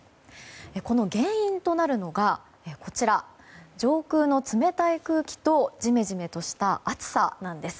この原因となるのが上空の冷たい空気とじめじめとした暑さなんです。